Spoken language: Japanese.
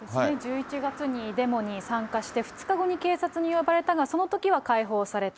１１月にデモに参加して、２日後に警察に呼ばれたが、そのときは解放された。